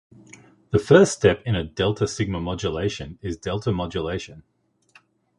The first step in a delta-sigma modulation is delta modulation.